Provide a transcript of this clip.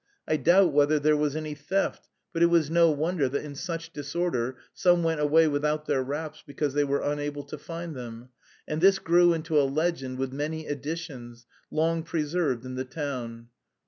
I doubt whether there was any theft, but it was no wonder that in such disorder some went away without their wraps because they were unable to find them, and this grew into a legend with many additions, long preserved in the town.